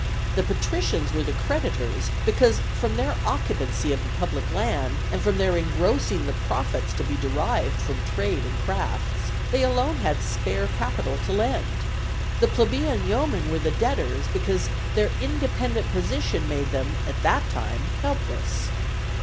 The patricians were the creditors, because from their occupancy of the public land, and from their engrossing the profits to be derived from trade and crafts, they alone had spare capital to lend. The plebeian yeomen were the debtors, because their independent position made them, at that time, helpless.